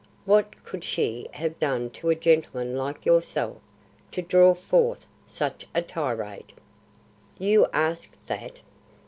What could she have done to a gentleman like yourself to draw forth such a tirade?" "You ask that?"